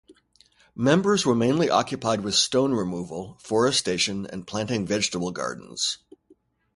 Members were mainly occupied with stone-removal, forestation and planting vegetable gardens.